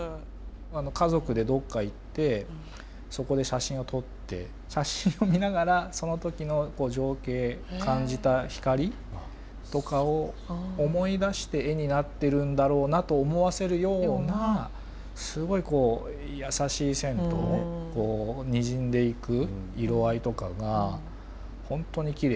家族でどっか行ってそこで写真を撮って写真を見ながらその時の情景感じた光とかを思い出して絵になってるんだろうなと思わせるようなすごいこう優しい線とにじんでいく色合いとかが本当にきれいで。